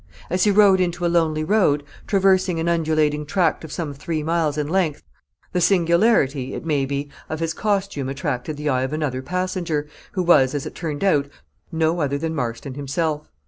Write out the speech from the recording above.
As he rode into a lonely road, traversing an undulating tract of some three miles in length, the singularity, it may be, of his costume attracted the eye of another passenger, who was, as it turned out, no other than Marston himself.